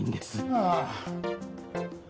ああ。